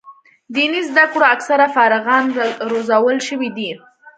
دیني زده کړو اکثره فارغان روزل شوي دي.